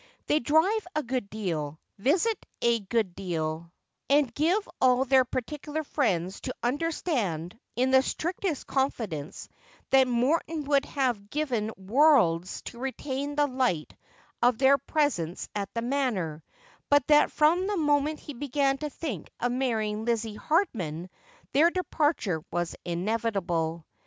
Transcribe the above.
They drive a good deal, visit a good deal, and give all their particular friends to understand, in the strictest confidence, that Morton would have given worlds to retain the light of their presence at the Manor ; but that from the moment he began to think of marrying Lizzie Hardman their departure was inevitable.